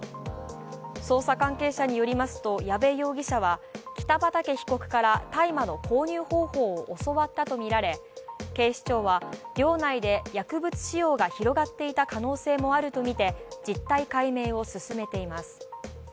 捜査関係者によりますと矢部容疑者は北畠被告から大麻の購入方法を教わったとみられ警視庁は寮内で薬物使用が広がっていた可能性もあるとみて、実態解明を進めています。